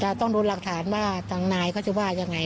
จากต้องดูรักฐานว่าตางหน้าก็นายจะว่าอย่างไร